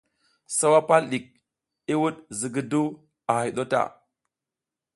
Sawa pal ɗik, i wuɗ zigiduw a hay ɗu o ta.